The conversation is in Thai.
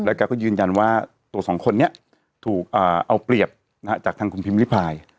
แกก็ยืนยันว่าตัวสองคนนี้ถูกเอาเปรียบจากทางคุณพิมริพาย